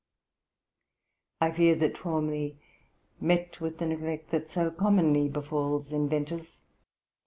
I fear that Twalmley met with the neglect that so commonly befalls inventors.